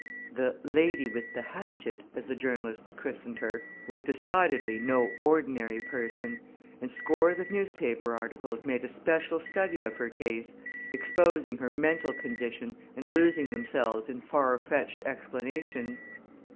The "lady with the hatchet," as the journalists christened her, was decidedly no ordinary person; and scores of newspaper articles made a special study of her case, exposing her mental condition and losing themselves in far fetched explanations.